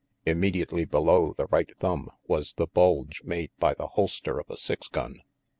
Imme diately below the right thumb was the bulge made by the holster of a six gun.